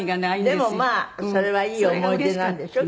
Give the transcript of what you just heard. でもまあそれはいい思い出なんでしょ？